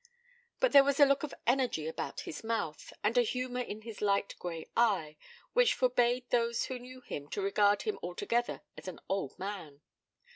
But there was a look of energy about his mouth, and a humour in his light grey eye, which forbade those who knew him to regard him altogether as an old man.